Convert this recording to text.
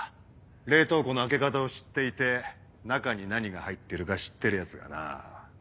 冷凍庫の開け方を知っていて中に何が入ってるか知ってるヤツがな。